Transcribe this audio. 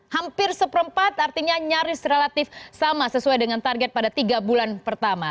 hampir seperempat artinya nyaris relatif sama sesuai dengan target pada tiga bulan pertama